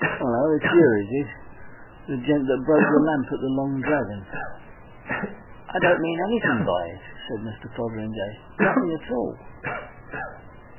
"Hullo! it's you, is it? The gent that broke the lamp at the Long Dragon!" "I don't mean anything by it," said Mr. Fotheringay. "Nothing at all."